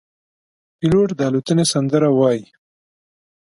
پیلوټ د الوتنې سندره وايي.